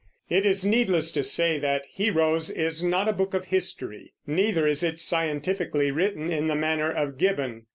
It is needless to say that Heroes is not a book of history; neither is it scientifically written in the manner of Gibbon.